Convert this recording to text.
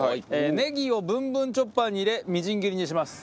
ネギをぶんぶんチョッパーに入れみじん切りにします。